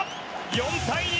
４対２。